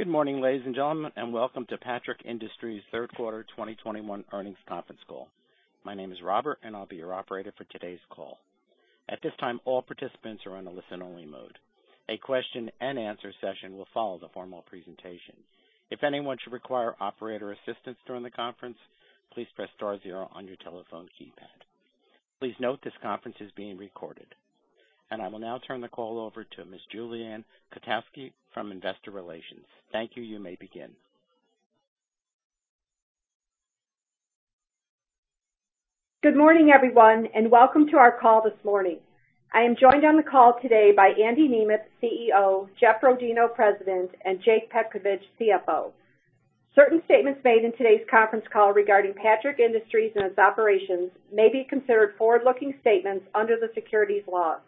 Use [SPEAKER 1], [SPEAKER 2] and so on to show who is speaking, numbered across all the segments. [SPEAKER 1] Good morning, ladies and gentlemen, and welcome to Patrick Industries' third quarter 2021 earnings conference call. My name is Robert, and I'll be your operator for today's call. At this time, all participants are on a listen-only mode. A question and answer session will follow the formal presentation. If anyone should require operator assistance during the conference, please press star zero on your telephone keypad. Please note this conference is being recorded. I will now turn the call over to Ms. Julie Ann Kotowski from Investor Relations. Thank you. You may begin.
[SPEAKER 2] Good morning, everyone, and welcome to our call this morning. I am joined on the call today by Andy Nemeth, CEO, Jeff Rodino, President, and Jake Petkovich, CFO. Certain statements made in today's conference call regarding Patrick Industries and its operations may be considered forward-looking statements under the securities laws.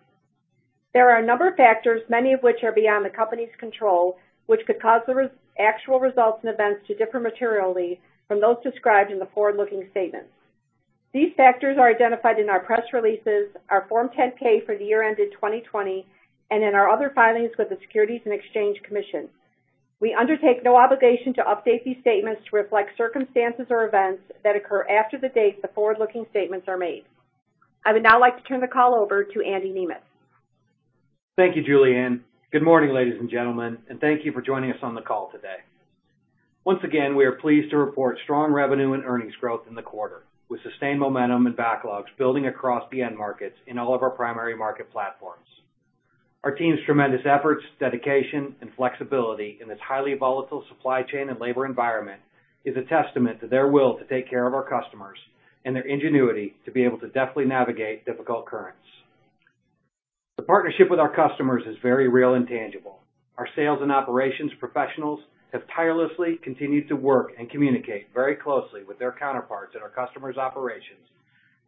[SPEAKER 2] There are a number of factors, many of which are beyond the company's control, which could cause actual results and events to differ materially from those described in the forward-looking statements. These factors are identified in our press releases, our Form 10-K for the year ended 2020, and in our other filings with the Securities and Exchange Commission. We undertake no obligation to update these statements to reflect circumstances or events that occur after the date the forward-looking statements are made. I would now like to turn the call over to Andy Nemeth.
[SPEAKER 3] Thank you, Julianne. Good morning, ladies and gentlemen, and thank you for joining us on the call today. Once again, we are pleased to report strong revenue and earnings growth in the quarter, with sustained momentum and backlogs building across the end markets in all of our primary market platforms. Our team's tremendous efforts, dedication, and flexibility in this highly volatile supply chain and labor environment is a testament to their will to take care of our customers and their ingenuity to be able to deftly navigate difficult currents. The partnership with our customers is very real and tangible. Our sales and operations professionals have tirelessly continued to work and communicate very closely with their counterparts at our customers' operations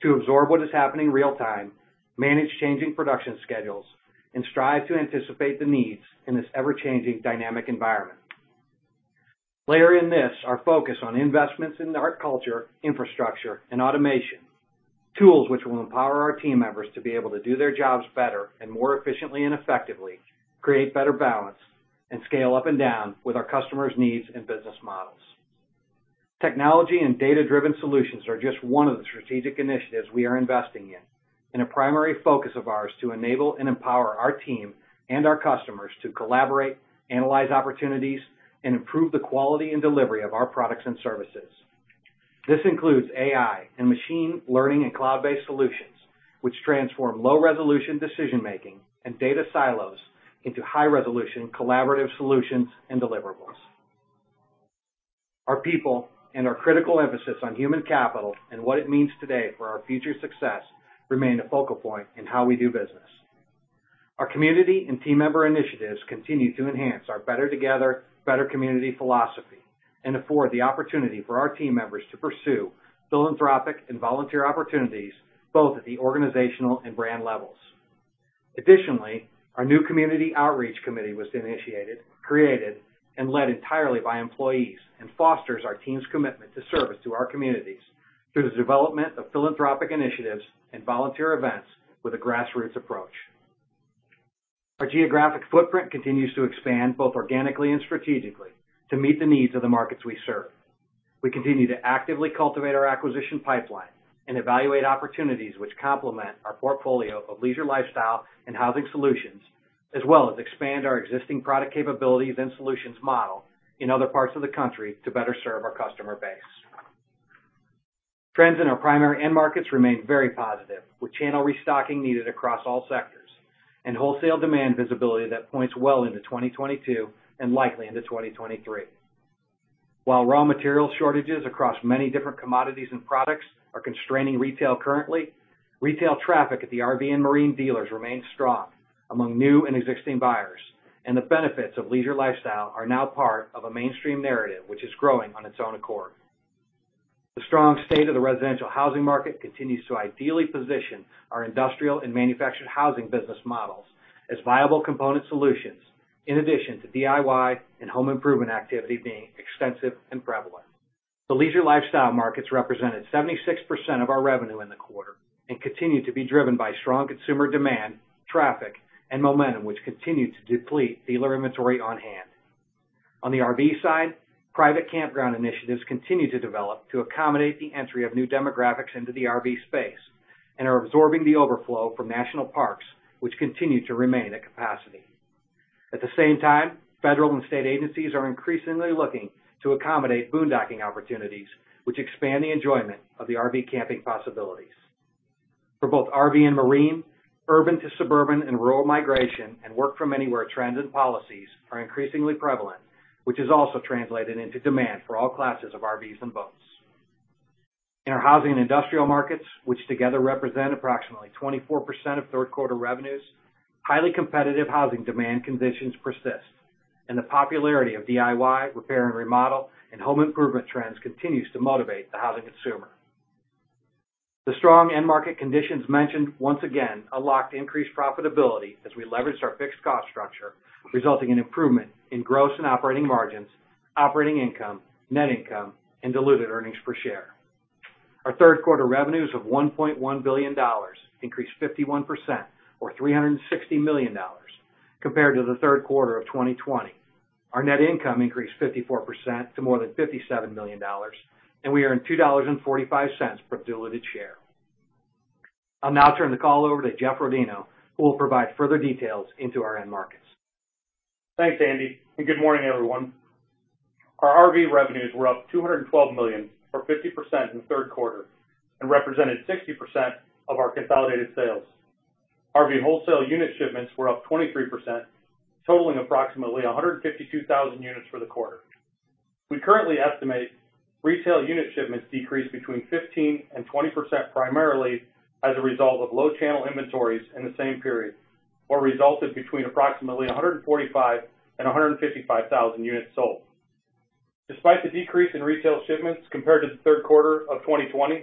[SPEAKER 3] to absorb what is happening real-time, manage changing production schedules, and strive to anticipate the needs in this ever-changing dynamic environment. Layer in this, our focus on investments in our culture, infrastructure, and automation, tools which will empower our team members to be able to do their jobs better and more efficiently and effectively, create better balance, and scale up and down with our customers' needs and business models. Technology and data-driven solutions are just one of the strategic initiatives we are investing in and a primary focus of ours to enable and empower our team and our customers to collaborate, analyze opportunities, and improve the quality and delivery of our products and services. This includes AI and machine learning and cloud-based solutions, which transform low-resolution decision-making and data silos into high-resolution collaborative solutions and deliverables. Our people and our critical emphasis on human capital and what it means today for our future success remain a focal point in how we do business. Our community and team member initiatives continue to enhance our Better Together, Better Community philosophy and afford the opportunity for our team members to pursue philanthropic and volunteer opportunities, both at the organizational and brand levels. Additionally, our new community outreach committee was initiated, created, and led entirely by employees and fosters our team's commitment to service to our communities through the development of philanthropic initiatives and volunteer events with a grassroots approach. Our geographic footprint continues to expand, both organically and strategically, to meet the needs of the markets we serve. We continue to actively cultivate our acquisition pipeline and evaluate opportunities which complement our portfolio of leisure lifestyle and housing solutions, as well as expand our existing product capabilities and solutions model in other parts of the country to better serve our customer base. Trends in our primary end markets remain very positive, with channel restocking needed across all sectors and wholesale demand visibility that points well into 2022 and likely into 2023. While raw material shortages across many different commodities and products are constraining retail currently, retail traffic at the RV and marine dealers remains strong among new and existing buyers, and the benefits of leisure lifestyle are now part of a mainstream narrative which is growing on its own accord. The strong state of the residential housing market continues to ideally position our industrial and manufactured housing business models as viable component solutions, in addition to DIY and home improvement activity being extensive and prevalent. The leisure lifestyle markets represented 76% of our revenue in the quarter and continue to be driven by strong consumer demand, traffic, and momentum, which continue to deplete dealer inventory on hand. On the RV side, private campground initiatives continue to develop to accommodate the entry of new demographics into the RV space and are absorbing the overflow from national parks, which continue to remain at capacity. At the same time, federal and state agencies are increasingly looking to accommodate boondocking opportunities, which expand the enjoyment of the RV camping possibilities. For both RV and marine, urban to suburban and rural migration and work from anywhere trends and policies are increasingly prevalent, which is also translated into demand for all classes of RVs and boats. In our housing and industrial markets, which together represent approximately 24% of third quarter revenues, highly competitive housing demand conditions persist, and the popularity of DIY, repair and remodel, and home improvement trends continues to motivate the housing consumer. The strong end market conditions mentioned once again unlocked increased profitability as we leveraged our fixed cost structure, resulting in improvement in gross and operating margins, operating income, net income, and diluted earnings per share. Our third quarter revenues of $1.1 billion increased 51% or $360 million compared to the third quarter of 2020. Our net income increased 54% to more than $57 million, and we earned $2.45 per diluted share. I'll now turn the call over to Jeff Rodino, who will provide further details into our end markets.
[SPEAKER 4] Thanks, Andy, and good morning, everyone. Our RV revenues were up $212 million or 50% in the third quarter and represented 60% of our consolidated sales. RV wholesale unit shipments were up 23%, totaling approximately 152,000 units for the quarter. We currently estimate retail unit shipments decreased 15%-20% primarily as a result of low channel inventories in the same period, or resulted in approximately 145,000-155,000 units sold. Despite the decrease in retail shipments compared to the third quarter of 2020,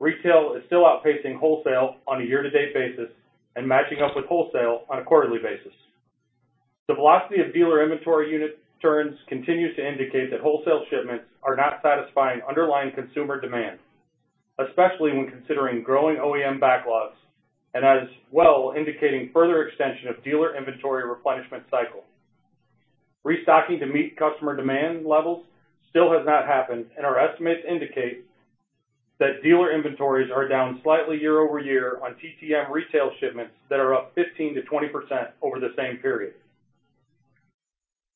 [SPEAKER 4] retail is still outpacing wholesale on a year-to-date basis and matching up with wholesale on a quarterly basis. The velocity of dealer inventory unit turns continues to indicate that wholesale shipments are not satisfying underlying consumer demand, especially when considering growing OEM backlogs and as well indicating further extension of dealer inventory replenishment cycle. Restocking to meet customer demand levels still has not happened, and our estimates indicate that dealer inventories are down slightly year-over-year on TTM retail shipments that are up 15%-20% over the same period.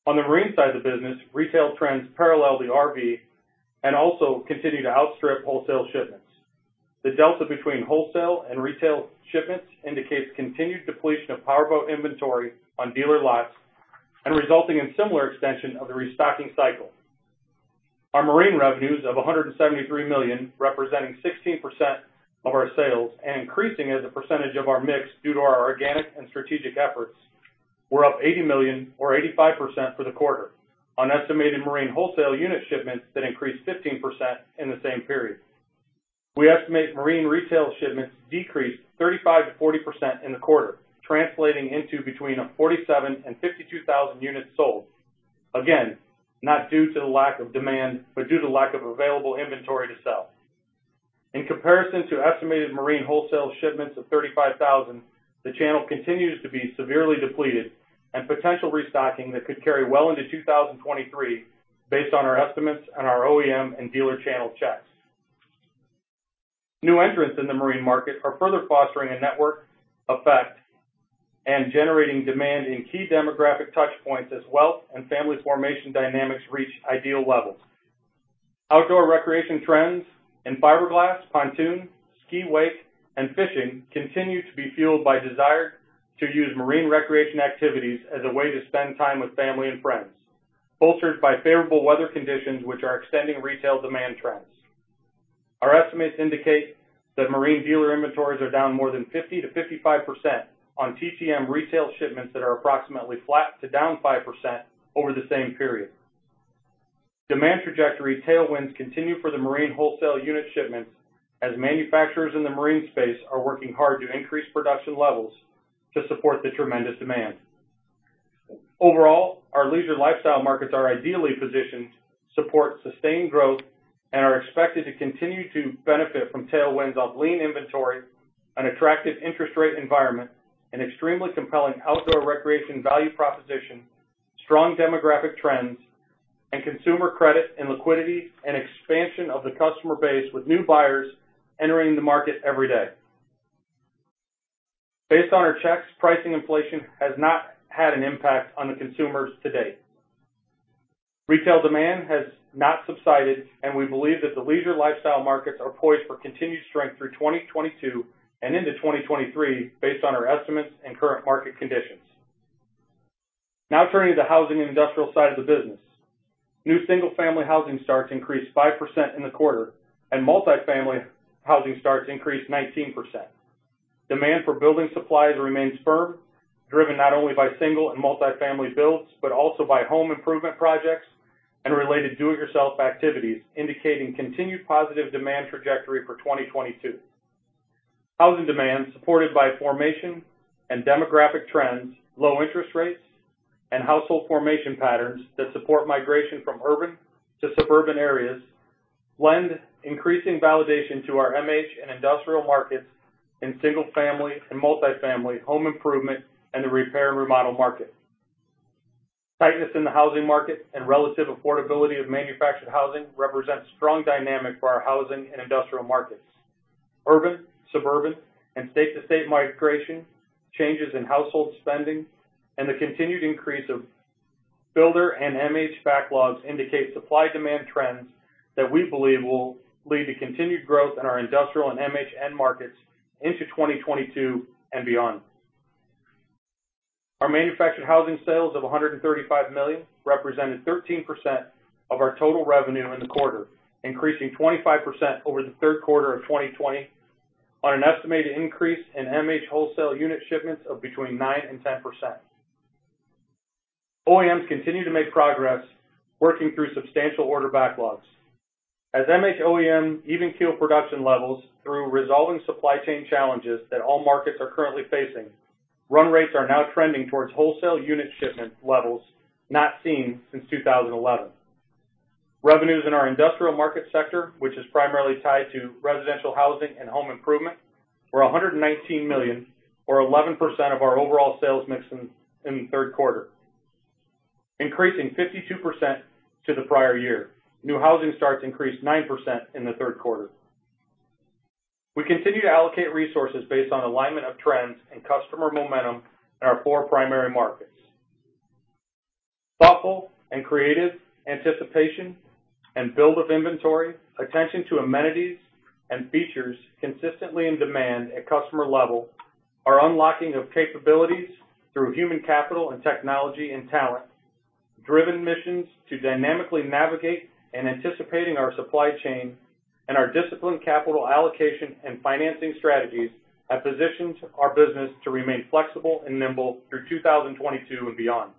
[SPEAKER 4] On the marine side of the business, retail trends parallel the RV and also continue to outstrip wholesale shipments. The delta between wholesale and retail shipments indicates continued depletion of powerboat inventory on dealer lots and resulting in similar extension of the restocking cycle. Our marine revenues of $173 million, representing 16% of our sales and increasing as a percentage of our mix due to our organic and strategic efforts, were up $80 million or 85% for the quarter on estimated marine wholesale unit shipments that increased 15% in the same period. We estimate marine retail shipments decreased 35%-40% in the quarter, translating into between 47,000 and 52,000 units sold. Again, not due to the lack of demand, but due to lack of available inventory to sell. In comparison to estimated marine wholesale shipments of 35,000, the channel continues to be severely depleted and potential restocking that could carry well into 2023 based on our estimates and our OEM and dealer channel checks. New entrants in the marine market are further fostering a network effect and generating demand in key demographic touch points as wealth and family formation dynamics reach ideal levels. Outdoor recreation trends in fiberglass, pontoon, ski, wake, and fishing continue to be fueled by desire to use marine recreation activities as a way to spend time with family and friends, bolstered by favorable weather conditions which are extending retail demand trends. Our estimates indicate that marine dealer inventories are down more than 50%-55% on TTM retail shipments that are approximately flat to down 5% over the same period. Demand trajectory tailwinds continue for the marine wholesale unit shipments as manufacturers in the marine space are working hard to increase production levels to support the tremendous demand. Overall, our leisure lifestyle markets are ideally positioned to support sustained growth and are expected to continue to benefit from tailwinds of lean inventory, an attractive interest rate environment, an extremely compelling outdoor recreation value proposition, strong demographic trends, and consumer credit and liquidity, and expansion of the customer base with new buyers entering the market every day. Based on our checks, pricing inflation has not had an impact on the consumers to date. Retail demand has not subsided, and we believe that the leisure lifestyle markets are poised for continued strength through 2022 and into 2023 based on our estimates and current market conditions. Now turning to the housing and industrial side of the business. New single-family housing starts increased 5% in the quarter, and multifamily housing starts increased 19%. Demand for building supplies remains firm, driven not only by single and multifamily builds, but also by home improvement projects and related do-it-yourself activities, indicating continued positive demand trajectory for 2022. Housing demand, supported by formation and demographic trends, low interest rates, and household formation patterns that support migration from urban to suburban areas, lend increasing validation to our MH and industrial markets in single family and multifamily home improvement and the repair and remodel market. Tightness in the housing market and relative affordability of manufactured housing represents strong dynamic for our housing and industrial markets. Urban, suburban, and state-to-state migration, changes in household spending, and the continued increase of builder and MH backlogs indicate supply-demand trends that we believe will lead to continued growth in our industrial and MH end markets into 2022 and beyond. Our manufactured housing sales of $135 million represented 13% of our total revenue in the quarter, increasing 25% over the third quarter of 2020 on an estimated increase in MH wholesale unit shipments of between 9% and 10%. OEMs continue to make progress working through substantial order backlogs. As MH OEM even keel production levels through resolving supply chain challenges that all markets are currently facing. Run rates are now trending towards wholesale unit shipment levels not seen since 2011. Revenues in our industrial market sector, which is primarily tied to residential housing and home improvement, were $119 million, or 11% of our overall sales mix in the third quarter, increasing 52% over the prior year. New housing starts increased 9% in the third quarter. We continue to allocate resources based on alignment of trends and customer momentum in our four primary markets. Thoughtful and creative anticipation and build of inventory, attention to amenities and features consistently in demand at customer level are unlocking of capabilities through human capital and technology and talent, driven missions to dynamically navigate and anticipating our supply chain and our disciplined capital allocation and financing strategies have positioned our business to remain flexible and nimble through 2022 and beyond.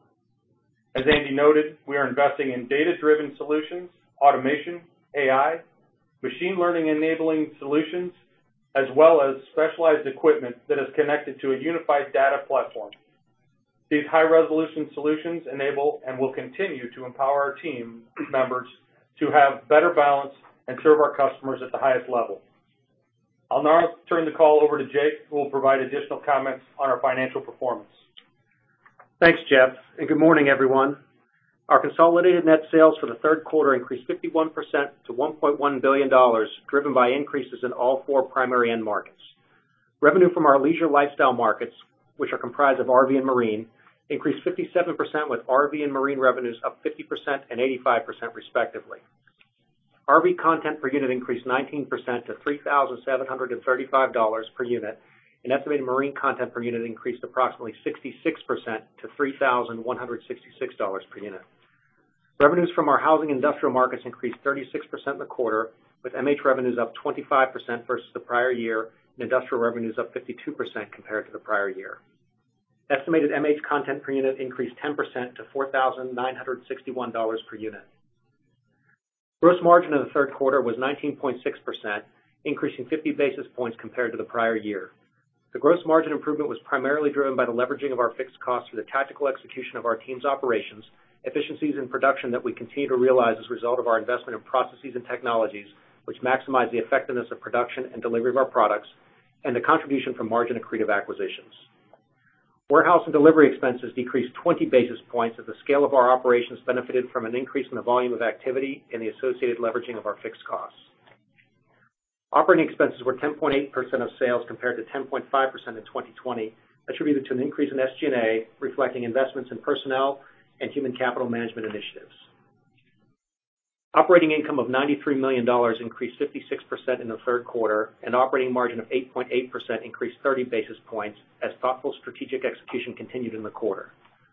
[SPEAKER 4] As Andy noted, we are investing in data-driven solutions, automation, AI, machine learning enabling solutions, as well as specialized equipment that is connected to a unified data platform. These high resolution solutions enable and will continue to empower our team members to have better balance and serve our customers at the highest level. I'll now turn the call over to Jake, who will provide additional comments on our financial performance.
[SPEAKER 5] Thanks, Jeff, and good morning, everyone. Our consolidated net sales for the third quarter increased 51% to $1.1 billion, driven by increases in all four primary end markets. Revenue from our leisure lifestyle markets, which are comprised of RV and marine, increased 57% with RV and marine revenues up 50% and 85% respectively. RV content per unit increased 19% to $3,735 per unit, and estimated marine content per unit increased approximately 66% to $3,166 per unit. Revenues from our housing industrial markets increased 36% in the quarter, with MH revenues up 25% versus the prior year, and industrial revenues up 52% compared to the prior year. Estimated MH content per unit increased 10% to $4,961 per unit. Gross margin in the third quarter was 19.6%, increasing 50 basis points compared to the prior year. The gross margin improvement was primarily driven by the leveraging of our fixed costs through the tactical execution of our team's operations, efficiencies in production that we continue to realize as a result of our investment in processes and technologies, which maximize the effectiveness of production and delivery of our products and the contribution from margin accretive acquisitions. Warehouse and delivery expenses decreased 20 basis points as the scale of our operations benefited from an increase in the volume of activity and the associated leveraging of our fixed costs. Operating expenses were 10.8% of sales, compared to 10.5% in 2020, attributed to an increase in SG&A, reflecting investments in personnel and human capital management initiatives. Operating income of $93 million increased 56% in the third quarter, and operating margin of 8.8% increased 30 basis points as thoughtful strategic execution continued in the quarter.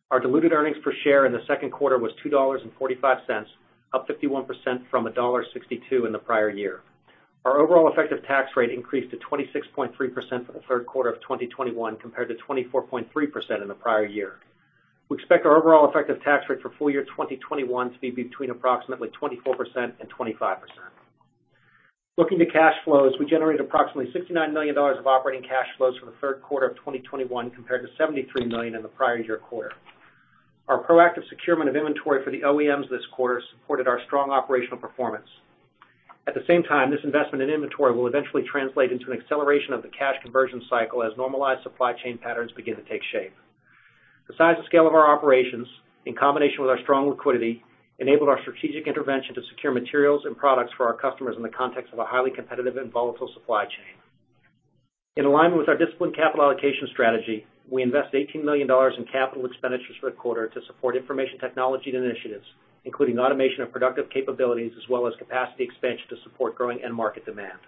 [SPEAKER 5] Our diluted earnings per share in the second quarter was $2.45, up 51% from $1.62 in the prior year. Our overall effective tax rate increased to 26.3% for the third quarter of 2021 compared to 24.3% in the prior year. We expect our overall effective tax rate for full year 2021 to be between approximately 24% and 25%. Looking to cash flows, we generated approximately $69 million of operating cash flows for the third quarter of 2021 compared to $73 million in the prior year quarter. Our proactive securement of inventory for the OEMs this quarter supported our strong operational performance. At the same time, this investment in inventory will eventually translate into an acceleration of the cash conversion cycle as normalized supply chain patterns begin to take shape. The size and scale of our operations, in combination with our strong liquidity, enabled our strategic intervention to secure materials and products for our customers in the context of a highly competitive and volatile supply chain. In alignment with our disciplined capital allocation strategy, we invested $18 million in capital expenditures for the quarter to support information technology initiatives, including automation of productive capabilities as well as capacity expansion to support growing end market demand.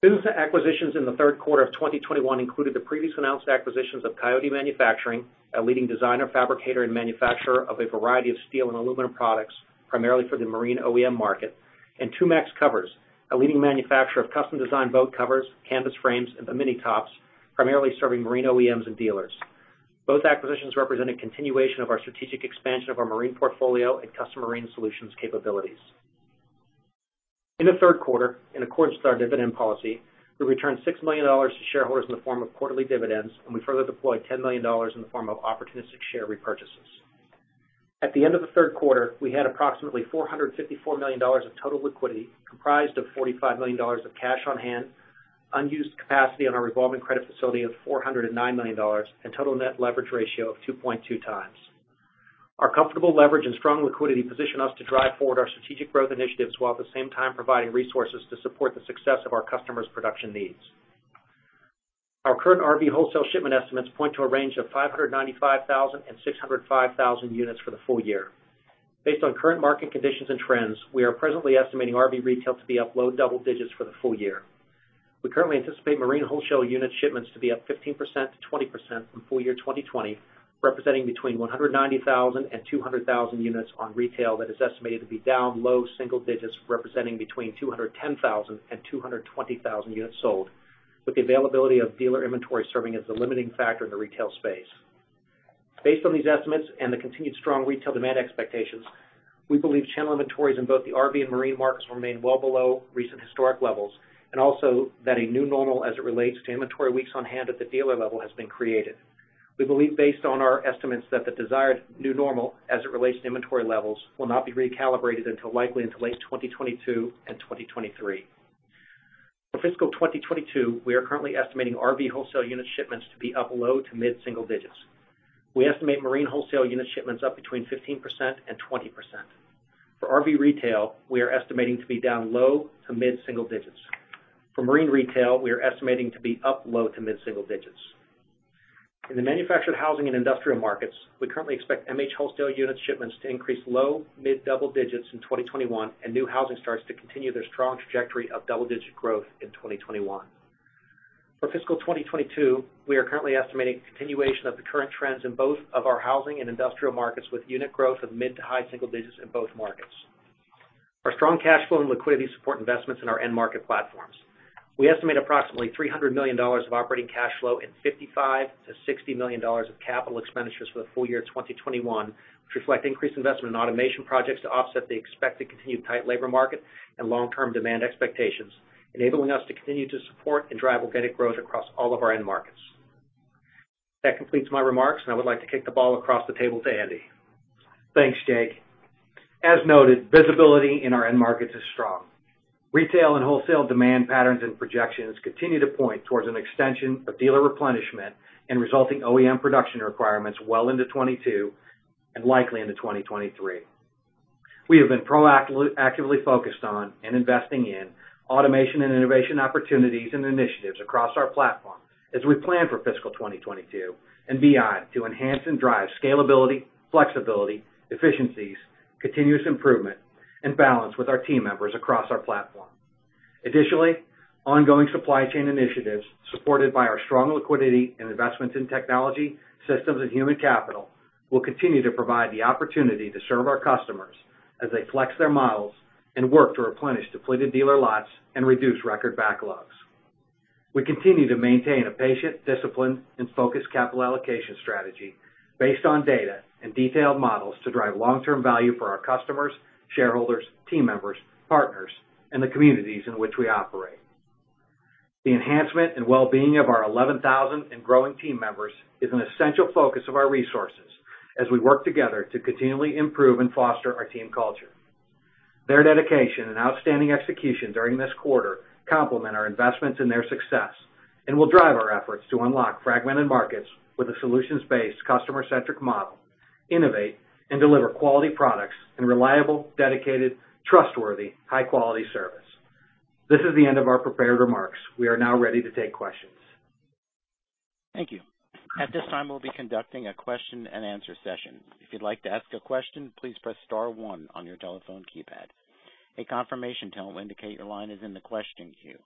[SPEAKER 5] Business acquisitions in the third quarter of 2021 included the previously announced acquisitions of Coyote MFG CO., a leading designer, fabricator and manufacturer of a variety of steel and aluminum products, primarily for the marine OEM market, and Tumacs Covers, a leading manufacturer of custom designed boat covers, canvas frames, and bimini tops, primarily serving marine OEMs and dealers. Both acquisitions represent a continuation of our strategic expansion of our marine portfolio and custom marine solutions capabilities. In the third quarter, in accordance with our dividend policy, we returned $6 million to shareholders in the form of quarterly dividends, and we further deployed $10 million in the form of opportunistic share repurchases. At the end of the third quarter, we had approximately $454 million of total liquidity, comprised of $45 million of cash on hand, unused capacity on our revolving credit facility of $409 million, and total net leverage ratio of 2.2x. Our comfortable leverage and strong liquidity position us to drive forward our strategic growth initiatives while at the same time providing resources to support the success of our customers' production needs. Our current RV wholesale shipment estimates point to a range of 595,000-605,000 units for the full year. Based on current market conditions and trends, we are presently estimating RV retail to be up low double digits% for the full year. We currently anticipate marine wholesale unit shipments to be up 15%-20% from full year 2020, representing between 190,000 and 200,000 units, on retail that is estimated to be down low single digits, representing between 210,000 and 220,000 units sold, with the availability of dealer inventory serving as the limiting factor in the retail space. Based on these estimates and the continued strong retail demand expectations, we believe channel inventories in both the RV and marine markets remain well below recent historic levels, and also that a new normal as it relates to inventory weeks on hand at the dealer level has been created. We believe based on our estimates that the desired new normal as it relates to inventory levels will not be recalibrated until likely into late 2022 and 2023. For fiscal 2022, we are currently estimating RV wholesale unit shipments to be up low- to mid-single digits%. We estimate marine wholesale unit shipments up 15%-20%. For RV retail, we are estimating to be down low- to mid-single digits%. For marine retail, we are estimating to be up low- to mid-single digits%. In the manufactured housing and industrial markets, we currently expect MH wholesale unit shipments to increase low- to mid-double digits% in 2021, and new housing starts to continue their strong trajectory of double-digit growth in 2021. For fiscal 2022, we are currently estimating continuation of the current trends in both of our housing and industrial markets, with unit growth of mid- to high-single digits in both markets. Our strong cash flow and liquidity support investments in our end market platforms. We estimate approximately $300 million of operating cash flow and $55 million-$60 million of capital expenditures for the full year 2021, which reflect increased investment in automation projects to offset the expected continued tight labor market and long-term demand expectations, enabling us to continue to support and drive organic growth across all of our end markets. That completes my remarks, and I would like to kick the ball across the table to Andy.
[SPEAKER 3] Thanks, Jake. As noted, visibility in our end markets is strong. Retail and wholesale demand patterns and projections continue to point towards an extension of dealer replenishment and resulting OEM production requirements well into 2022 and likely into 2023. We have been proactively focused on and investing in automation and innovation opportunities and initiatives across our platform as we plan for fiscal 2022 and beyond to enhance and drive scalability, flexibility, efficiencies, continuous improvement, and balance with our team members across our platform. Additionally, ongoing supply chain initiatives supported by our strong liquidity and investments in technology, systems, and human capital will continue to provide the opportunity to serve our customers as they flex their models and work to replenish depleted dealer lots and reduce record backlogs. We continue to maintain a patient, disciplined, and focused capital allocation strategy based on data and detailed models to drive long-term value for our customers, shareholders, team members, partners, and the communities in which we operate. The enhancement and well-being of our 11,000 and growing team members is an essential focus of our resources as we work together to continually improve and foster our team culture. Their dedication and outstanding execution during this quarter complement our investments in their success and will drive our efforts to unlock fragmented markets with a solutions-based, customer-centric model, innovate, and deliver quality products and reliable, dedicated, trustworthy, high-quality service. This is the end of our prepared remarks. We are now ready to take questions.
[SPEAKER 1] Thank you. At this time, we'll be conducting a question and answer session. If you'd like to ask a question, please press star one on your telephone keypad. A confirmation tone will indicate your line is in the question queue.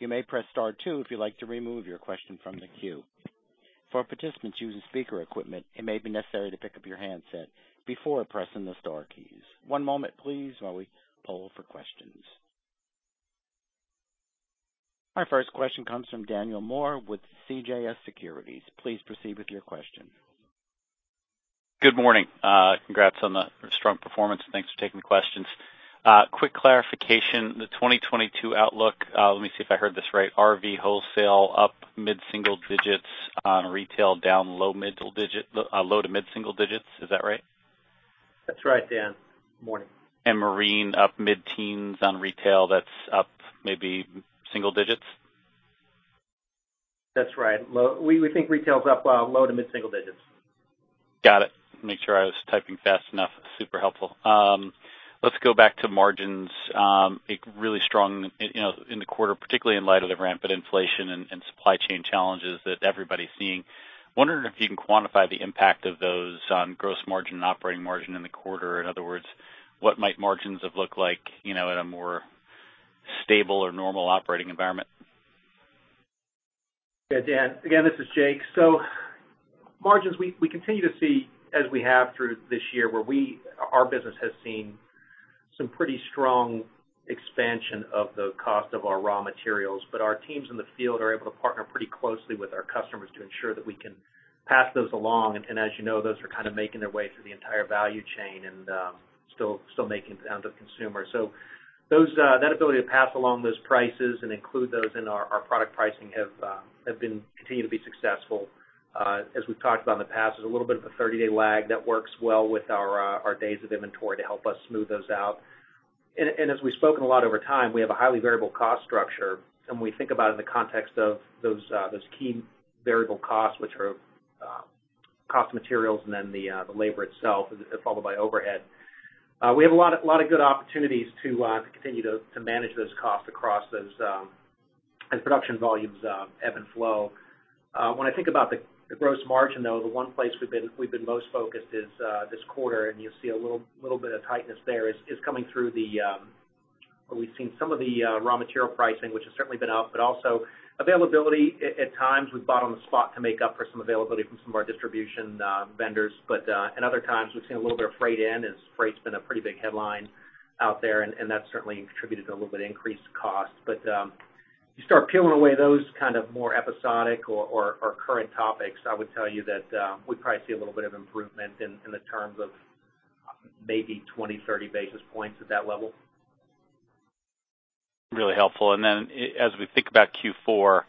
[SPEAKER 1] You may press star two if you'd like to remove your question from the queue. For participants using speaker equipment, it may be necessary to pick up your handset before pressing the star keys. One moment, please, while we poll for questions. Our first question comes from Daniel Moore with CJS Securities. Please proceed with your question.
[SPEAKER 6] Good morning. Congrats on the strong performance. Thanks for taking the questions. Quick clarification. The 2022 outlook, let me see if I heard this right. RV wholesale up mid-single digits on retail down low to mid-single digits. Is that right?
[SPEAKER 3] That's right, Dan. Morning.
[SPEAKER 6] Marine up mid-teens on retail, that's up maybe single digits?
[SPEAKER 3] That's right. We think retail's up low- to mid-single digits.
[SPEAKER 6] Got it. Make sure I was typing fast enough. Super helpful. Let's go back to margins. A really strong, you know, in the quarter, particularly in light of the rampant inflation and supply chain challenges that everybody's seeing. Wondering if you can quantify the impact of those on gross margin and operating margin in the quarter. In other words, what might margins have looked like, you know, at a more stable or normal operating environment?
[SPEAKER 5] Yeah, Dan, again, this is Jake. Margins, we continue to see as we have through this year, where our business has seen some pretty strong expansion of the cost of our raw materials. Our teams in the field are able to partner pretty closely with our customers to ensure that we can pass those along. As you know, those are kind of making their way through the entire value chain and still making it down to consumers. That ability to pass along those prices and include those in our product pricing has continued to be successful. As we've talked about in the past, there's a little bit of a 30-day lag that works well with our days of inventory to help us smooth those out. As we've spoken a lot over time, we have a highly variable cost structure. When we think about it in the context of those key variable costs, which are cost of materials and then the labor itself, followed by overhead, we have a lot of good opportunities to continue to manage those costs across as production volumes ebb and flow. When I think about the gross margin, though, the one place we've been most focused is this quarter, and you'll see a little bit of tightness there, is coming through where we've seen some of the raw material pricing, which has certainly been up, but also availability. At times, we've bought on the spot to make up for some availability from some of our distribution vendors. At other times, we've seen a little bit of freight in, as freight's been a pretty big headline out there, and that's certainly contributed to a little bit of increased cost. You start peeling away those kind of more episodic or current topics. I would tell you that we probably see a little bit of improvement in terms of maybe 20-30 basis points at that level.
[SPEAKER 6] Really helpful. As we think about Q4,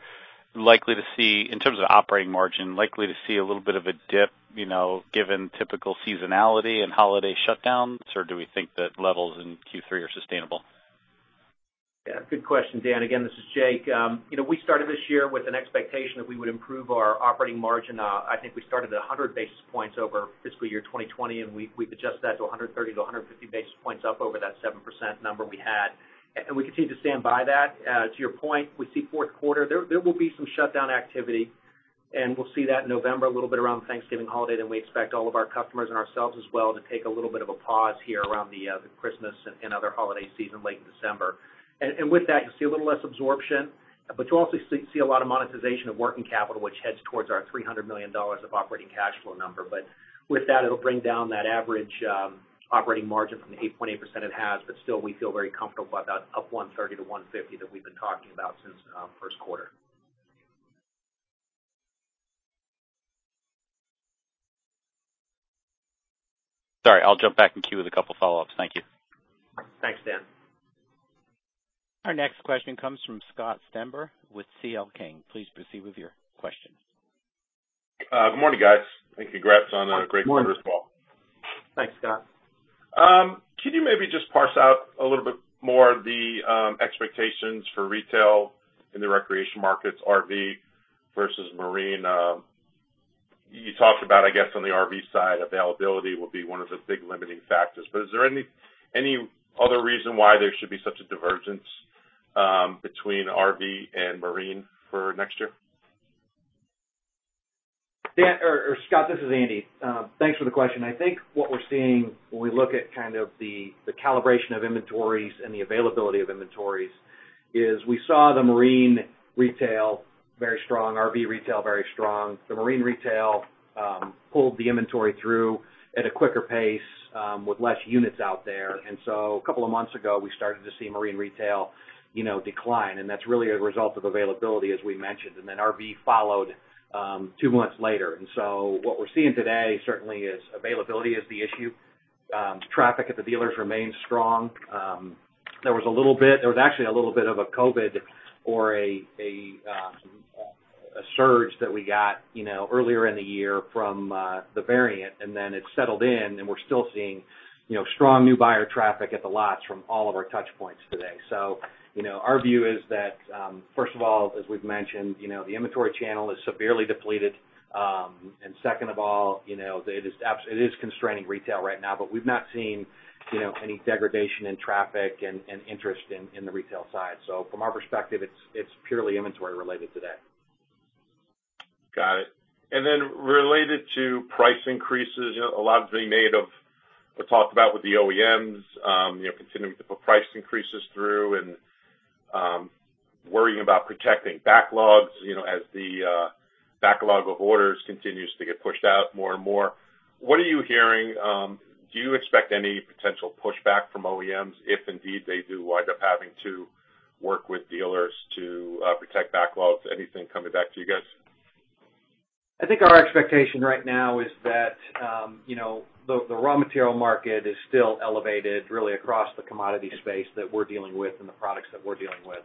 [SPEAKER 6] likely to see in terms of operating margin a little bit of a dip, you know, given typical seasonality and holiday shutdowns, or do we think that levels in Q3 are sustainable?
[SPEAKER 5] Yeah. Good question, Dan. Again, this is Jake. You know, we started this year with an expectation that we would improve our operating margin. I think we started at 100 basis points over fiscal year 2020, and we've adjusted that to 130-150 basis points up over that 7% number we had. We continue to stand by that. To your point, we see fourth quarter, there will be some shutdown activity, and we'll see that in November, a little bit around the Thanksgiving holiday, then we expect all of our customers and ourselves as well to take a little bit of a pause here around the Christmas and other holiday season late in December. With that, you'll see a little less absorption, but you'll also see a lot of monetization of working capital, which heads towards our $300 million of operating cash flow number. With that, it'll bring down that average operating margin from the 8.8% it has, but still, we feel very comfortable about that up $130-$150 that we've been talking about since first quarter.
[SPEAKER 6] Sorry, I'll jump back in queue with a couple follow-ups. Thank you.
[SPEAKER 3] Thanks, Dan.
[SPEAKER 1] Our next question comes from Scott Stember with C.L. King. Please proceed with your question.
[SPEAKER 7] Good morning, guys. Congrats on a great quarter as well.
[SPEAKER 3] Thanks, Scott.
[SPEAKER 7] Can you maybe just parse out a little bit more the expectations for retail in the recreation markets, RV versus marine? You talked about, I guess, on the RV side, availability will be one of the big limiting factors. Is there any other reason why there should be such a divergence between RV and marine for next year?
[SPEAKER 3] Dan or Scott, this is Andy. Thanks for the question. I think what we're seeing when we look at kind of the calibration of inventories and the availability of inventories is we saw the marine retail very strong, RV retail very strong. The marine retail pulled the inventory through at a quicker pace with less units out there. A couple of months ago, we started to see marine retail, you know, decline, and that's really a result of availability, as we mentioned. RV followed two months later. What we're seeing today certainly is availability is the issue. Traffic at the dealers remains strong. There was actually a little bit of a COVID or a surge that we got, you know, earlier in the year from the variant, and then it settled in and we're still seeing, you know, strong new buyer traffic at the lots from all of our touch points today. Our view is that, first of all, as we've mentioned, you know, the inventory channel is severely depleted. And second of all, you know, it is constraining retail right now, but we've not seen, you know, any degradation in traffic and interest in the retail side. From our perspective, it's purely inventory related today.
[SPEAKER 7] Got it. Then related to price increases, you know, a lot has been made of the talk about with the OEMs, you know, continuing to put price increases through and, worrying about protecting backlogs, you know, as the backlog of orders continues to get pushed out more and more. What are you hearing? Do you expect any potential pushback from OEMs if indeed they do wind up having to work with dealers to protect backlogs? Anything coming back to you guys?
[SPEAKER 3] I think our expectation right now is that, you know, the raw material market is still elevated really across the commodity space that we're dealing with and the products that we're dealing with.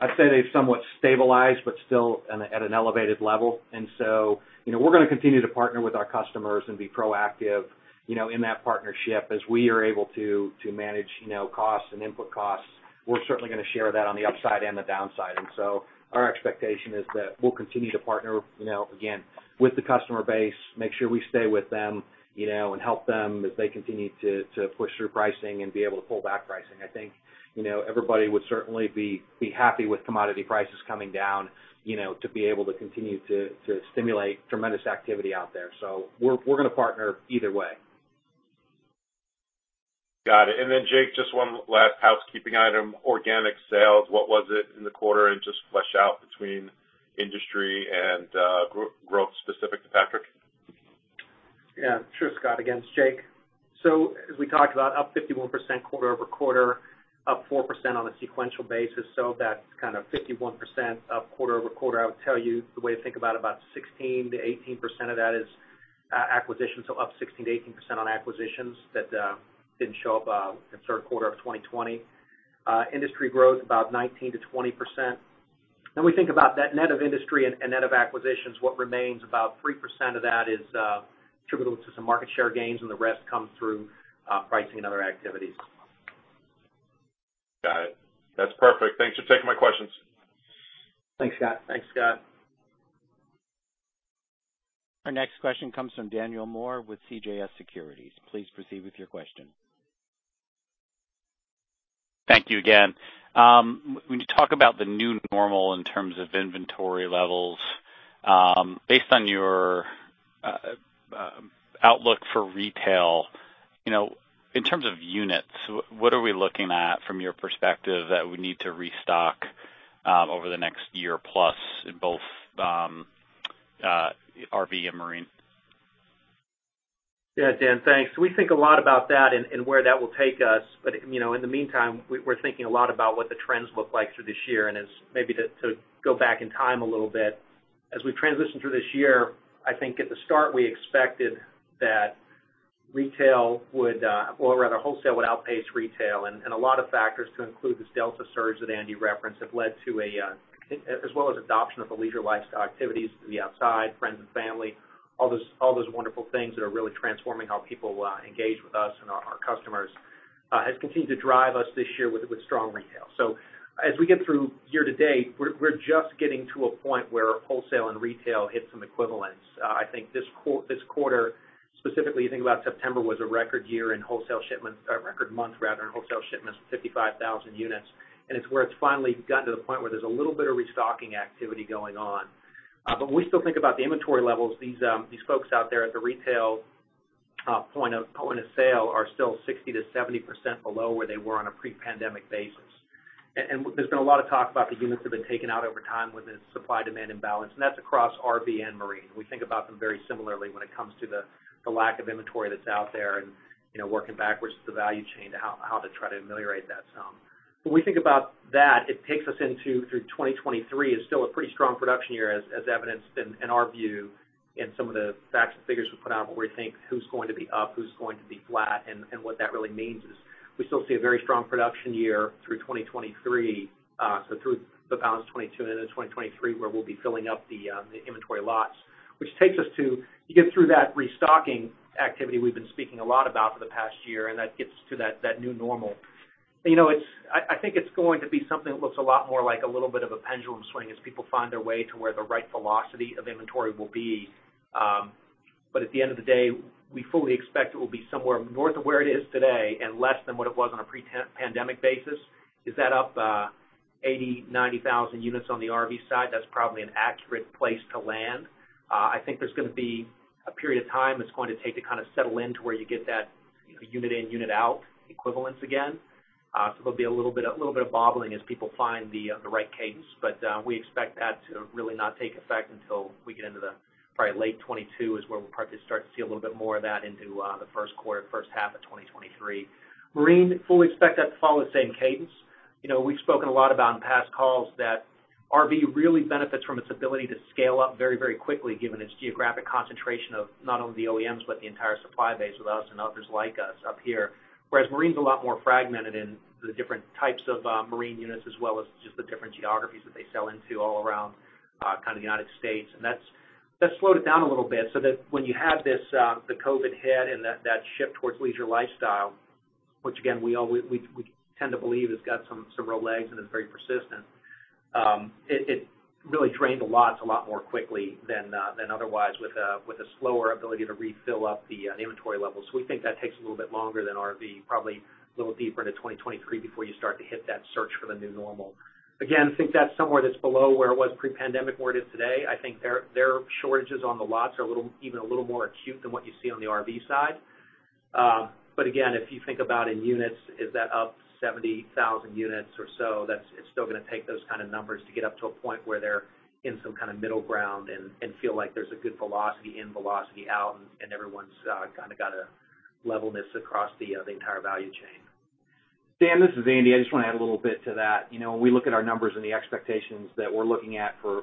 [SPEAKER 3] I'd say they've somewhat stabilized, but still at an elevated level. You know, we're gonna continue to partner with our customers and be proactive, you know, in that partnership. As we are able to to manage, you know, costs and input costs, we're certainly gonna share that on the upside and the downside. Our expectation is that we'll continue to partner, you know, again, with the customer base, make sure we stay with them, you know, and help them as they continue to push through pricing and be able to pull back pricing. I think, you know, everybody would certainly be happy with commodity prices coming down, you know, to be able to continue to stimulate tremendous activity out there. We're gonna partner either way.
[SPEAKER 7] Got it. Jake, just one last housekeeping item. Organic sales, what was it in the quarter? Just flesh out between industry and growth specific to Patrick.
[SPEAKER 5] Yeah. Sure, Scott. Again, it's Jake. As we talked about, up 51% quarter-over-quarter, up 4% on a sequential basis. That's kind of 51% up quarter-over-quarter. I would tell you the way to think about it, about 16%-18% of that is acquisition. Up 16%-18% on acquisitions that didn't show up in third quarter of 2020. Industry growth, about 19%-20%. When we think about that net of industry and net of acquisitions, what remains about 3% of that is attributable to some market share gains, and the rest come through pricing and other activities.
[SPEAKER 7] Got it. That's perfect. Thanks for taking my questions.
[SPEAKER 3] Thanks, Scott.
[SPEAKER 4] Thanks, Scott.
[SPEAKER 1] Our next question comes from Daniel Moore with CJS Securities. Please proceed with your question.
[SPEAKER 6] Thank you again. When you talk about the new normal in terms of inventory levels, based on your outlook for retail, you know, in terms of units, what are we looking at from your perspective that we need to restock over the next year plus in both RV and marine?
[SPEAKER 5] Yeah, Dan, thanks. We think a lot about that and where that will take us. You know, in the meantime, we're thinking a lot about what the trends look like through this year. As maybe to go back in time a little bit, as we transition through this year, I think at the start, we expected that retail would or rather wholesale would outpace retail. A lot of factors to include this Delta surge that Andy referenced have led to, as well as adoption of the leisure lifestyle activities to the outside, friends and family, all those wonderful things that are really transforming how people engage with us and our customers, has continued to drive us this year with strong retail. As we get through year to date, we're just getting to a point where wholesale and retail hit some equivalence. I think this quarter, specifically you think about September, was a record month rather in wholesale shipments of 55,000 units. It's where it's finally gotten to the point where there's a little bit of restocking activity going on. But when we still think about the inventory levels, these folks out there at the retail point of sale are still 60%-70% below where they were on a pre-pandemic basis. There's been a lot of talk about the units that have been taken out over time with this supply-demand imbalance, and that's across RV and marine. We think about them very similarly when it comes to the lack of inventory that's out there and, you know, working backwards through the value chain to how to try to ameliorate that some. When we think about that, it takes us into 2023 is still a pretty strong production year as evidenced in our view, in some of the facts and figures we put out where we think who's going to be up, who's going to be flat, and what that really means is we still see a very strong production year through 2023, so through the balance of 2022 and into 2023, where we'll be filling up the inventory lots. Which takes us to you get through that restocking activity we've been speaking a lot about for the past year, and that gets us to that new normal. You know, it's—I think it's going to be something that looks a lot more like a little bit of a pendulum swing as people find their way to where the right velocity of inventory will be. But at the end of the day, we fully expect it will be somewhere north of where it is today and less than what it was on a pre-pandemic basis. Is that up 80-90 thousand units on the RV side? That's probably an accurate place to land. I think there's gonna be a period of time it's going to take to kind of settle in to where you get that, you know, unit in, unit out equivalence again. So there'll be a little bit of bobbing as people find the right cadence. We expect that to really not take effect until we get into the probably late 2022 is where we'll probably start to see a little bit more of that into the first quarter, first half of 2023. We fully expect Marine to follow the same cadence. You know, we've spoken a lot about in past calls that RV really benefits from its ability to scale up very, very quickly given its geographic concentration of not only the OEMs, but the entire supply base with us and others like us up here. Whereas Marine's a lot more fragmented in the different types of Marine units as well as just the different geographies that they sell into all around kind of the United States. That's slowed it down a little bit so that when you had this the COVID hit and that shift towards leisure lifestyle, which again, we tend to believe has got some real legs and is very persistent, it really drained the lots a lot more quickly than otherwise with a slower ability to refill up the inventory levels. We think that takes a little bit longer than RV, probably a little deeper into 2023 before you start to hit that search for the new normal. Again, think that's somewhere that's below where it was pre-pandemic and where it is today. I think their shortages on the lots are a little, even a little more acute than what you see on the RV side. Again, if you think about in units, is that up 70,000 units or so? That's, it's still gonna take those kind of numbers to get up to a point where they're in some kind of middle ground and feel like there's a good velocity in, velocity out, and everyone's kind of got a levelness across the the entire value chain.
[SPEAKER 3] Dan, this is Andy. I just wanna add a little bit to that. You know, when we look at our numbers and the expectations that we're looking at for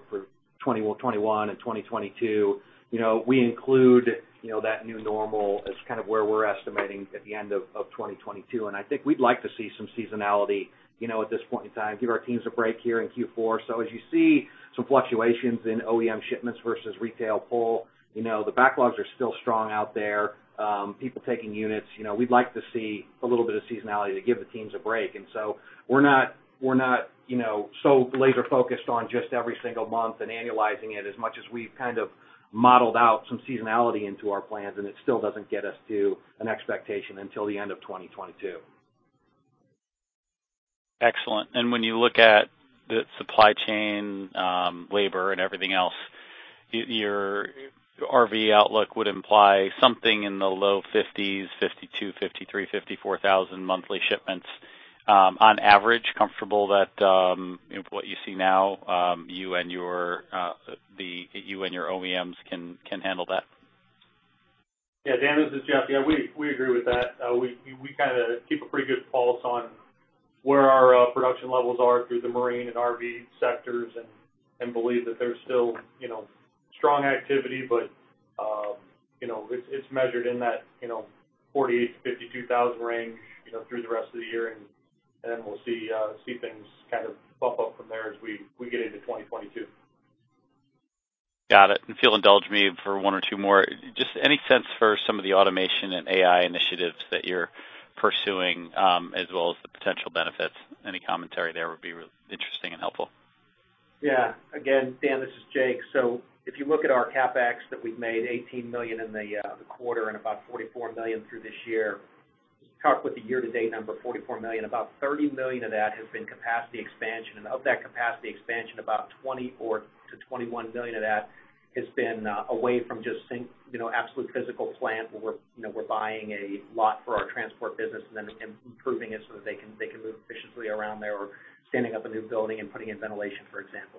[SPEAKER 3] 2021 and 2022, you know, we include, you know, that new normal as kind of where we're estimating at the end of 2022. I think we'd like to see some seasonality, you know, at this point in time, give our teams a break here in Q4. As you see some fluctuations in OEM shipments versus retail pull, you know, the backlogs are still strong out there. People taking units. You know, we'd like to see a little bit of seasonality to give the teams a break. We're not, you know, so laser focused on just every single month and annualizing it as much as we've kind of modeled out some seasonality into our plans, and it still doesn't get us to an expectation until the end of 2022.
[SPEAKER 6] Excellent. When you look at the supply chain, labor and everything else, your RV outlook would imply something in the low 50s, 52,000, 53,000, 54,000 monthly shipments on average. Are you comfortable that what you see now, you and your OEMs can handle that?
[SPEAKER 4] Yeah, Dan, this is Jeff. Yeah, we agree with that. We kind of keep a pretty good pulse on where our production levels are through the marine and RV sectors and believe that there's still, you know, strong activity, but you know, it's measured in that 48,000-52,000 range, you know, through the rest of the year. Then we'll see things kind of bump up from there as we get into 2022.
[SPEAKER 6] Got it. If you'll indulge me for one or two more. Just any sense for some of the automation and AI initiatives that you're pursuing, as well as the potential benefits? Any commentary there would be interesting and helpful.
[SPEAKER 5] Yeah. Again, Dan, this is Jake. If you look at our CapEx that we've made, $18 million in the quarter and about $44 million through this year. Talk about the year to date number, $44 million. About $30 million of that has been capacity expansion. Of that capacity expansion, about $24 million-$21 million of that has been away from just sync, you know, absolute physical plant, where we're buying a lot for our transport business and then improving it so that they can move efficiently around there or standing up a new building and putting in ventilation, for example.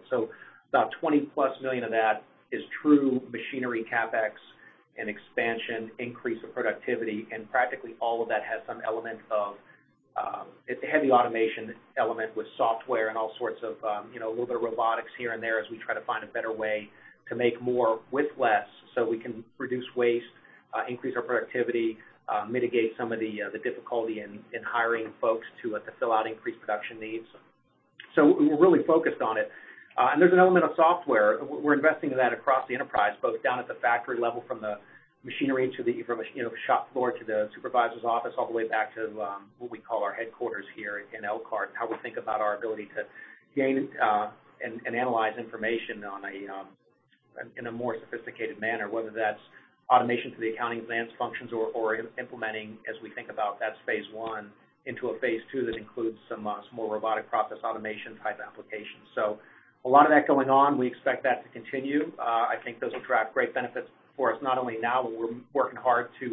[SPEAKER 5] About $20+ million of that is true machinery CapEx and expansion, increase of productivity, and practically all of that has some element of it. It's a heavy automation element with software and all sorts of, you know, a little bit of robotics here and there as we try to find a better way to make more with less so we can reduce waste, increase our productivity, mitigate some of the difficulty in hiring folks to fill out increased production needs. We're really focused on it, and there's an element of software. We're investing in that across the enterprise, both down at the factory level from the machinery to the shop floor to the supervisor's office, all the way back to what we call our headquarters here in Elkhart, and how we think about our ability to gain and analyze information in a more sophisticated manner, whether that's automation to the accounting advanced functions or implementing as we think about that's phase one into a phase two that includes some more robotic process automation type applications. A lot of that going on. We expect that to continue. I think those will drive great benefits for us, not only now, but we're working hard to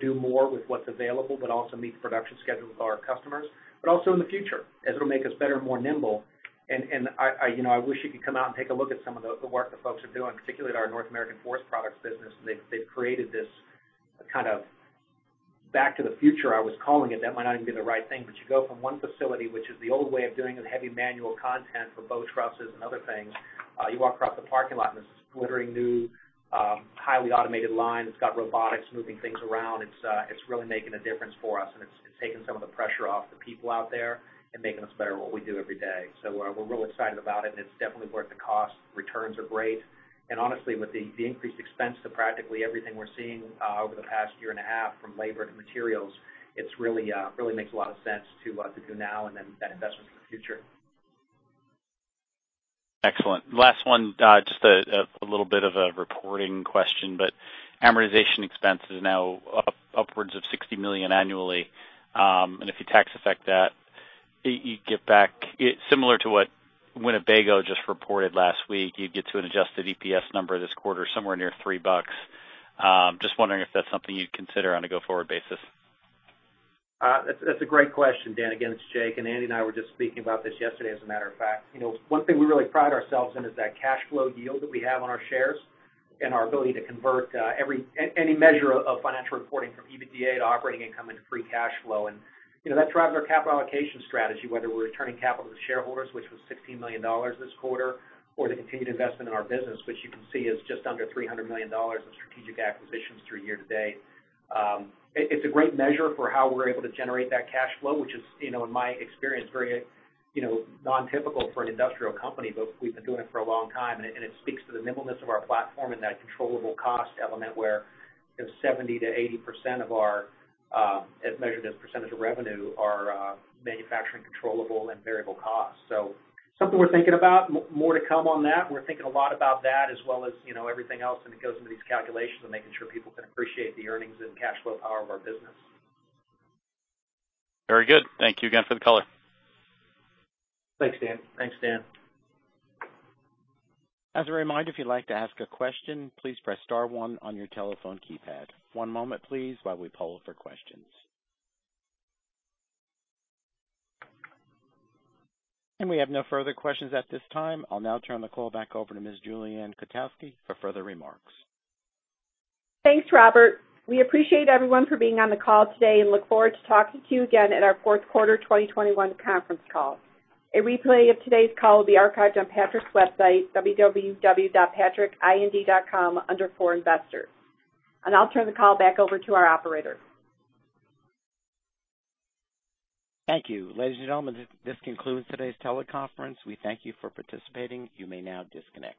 [SPEAKER 5] do more with what's available, but also meet the production schedule with our customers, but also in the future, as it'll make us better and more nimble. I, you know, I wish you could come out and take a look at some of the work the folks are doing, particularly at our North American Forest Products business. They've created this kind of back to the future, I was calling it. That might not even be the right thing. You go from one facility, which is the old way of doing the heavy manual content for bow trusses and other things. You walk across the parking lot, and there's this glittering new highly automated line that's got robotics moving things around. It's really making a difference for us, and it's taking some of the pressure off the people out there and making us better at what we do every day. We're really excited about it, and it's definitely worth the cost. Returns are great. Honestly, with the increased expense to practically everything we're seeing over the past year and a half from labor to materials, it's really makes a lot of sense to do now and then that investment for the future.
[SPEAKER 6] Excellent. Last one, just a little bit of a reporting question, but amortization expense is now upwards of $60 million annually. And if you tax affect that, you get back. Similar to what Winnebago just reported last week, you'd get to an adjusted EPS number this quarter somewhere near $3. Just wondering if that's something you'd consider on a go-forward basis.
[SPEAKER 5] That's a great question, Dan. Again, it's Jake, and Andy and I were just speaking about this yesterday as a matter of fact. You know, one thing we really pride ourselves in is that cash flow yield that we have on our shares and our ability to convert any measure of financial reporting from EBITDA to operating income into free cash flow. You know, that drives our capital allocation strategy, whether we're returning capital to shareholders, which was $16 million this quarter, or the continued investment in our business, which you can see is just under $300 million in strategic acquisitions through year to date. It's a great measure for how we're able to generate that cash flow, which is, you know, in my experience, very, you know, non-typical for an industrial company, but we've been doing it for a long time, and it speaks to the nimbleness of our platform and that controllable cost element where, you know, 70%-80% of our, as measured as a percentage of revenue are, manufacturing controllable and variable costs. Something we're thinking about. More to come on that. We're thinking a lot about that as well as, you know, everything else, and it goes into these calculations of making sure people can appreciate the earnings and cash flow power of our business.
[SPEAKER 6] Very good. Thank you again for the color.
[SPEAKER 5] Thanks, Dan.
[SPEAKER 1] As a reminder, if you'd like to ask a question, please press star one on your telephone keypad. One moment, please, while we poll for questions. We have no further questions at this time. I'll now turn the call back over to Ms. Julie Ann Kotowski for further remarks.
[SPEAKER 2] Thanks, Robert. We appreciate everyone for being on the call today and look forward to talking to you again at our fourth quarter 2021 conference call. A replay of today's call will be archived on Patrick's website, www.patrickind.com, under For Investors. I'll turn the call back over to our operator.
[SPEAKER 1] Thank you. Ladies and gentlemen, this concludes today's teleconference. We thank you for participating. You may now disconnect.